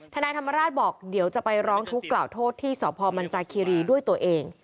นายธรรมราชบอกเดี๋ยวจะไปร้องทุกข์กล่าวโทษที่สพมันจาคีรีด้วยตัวเอง